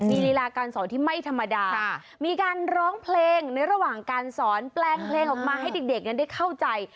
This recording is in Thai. มีลีลาการสอนที่ไม่ธรรมดามีการร้องเพลงในระหว่างการสอนแปลงเพลงออกมาให้เด็กนั้นได้เข้าใจ